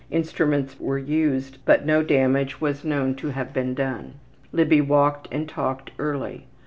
Instruments were used, but no damage was known to have been done. Libby walked and talked early.